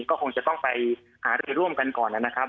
ก็คงจะต้องไปหารือร่วมกันก่อนนะครับ